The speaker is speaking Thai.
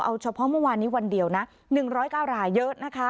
เอาเฉพาะเมื่อวานนี้วันเดียวนะ๑๐๙รายเยอะนะคะ